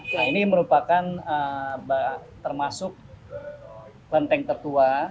nah ini merupakan termasuk lenteng tertua